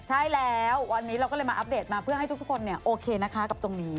ใช่แล้ววันนี้เราก็มาอัแปบอุปเดตมาให้ทุกนี่โอเคนะคะกับตรงนี้